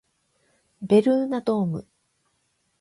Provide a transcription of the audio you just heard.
ベルーナドーム